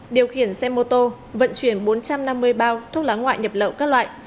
điều khiển xe mô tô vận chuyển bốn trăm năm mươi bao thuốc lá ngoại nhập lậu các loại